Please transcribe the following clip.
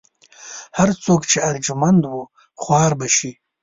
هر څوک چې ارجمند و خوار به شي.